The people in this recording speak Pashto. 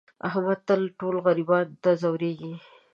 احمد تل ټولو غریبانو ته ځورېږي.